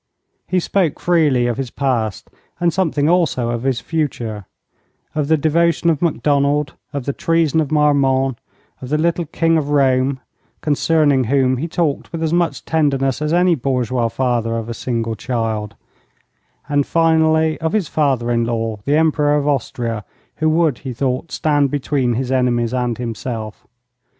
He spoke freely of his past, and something also of his future; of the devotion of Macdonald, of the treason of Marmont, of the little King of Rome, concerning whom he talked with as much tenderness as any bourgeois father of a single child; and, finally, of his father in law, the Emperor of Austria, who would, he thought, stand between his enemies and himself.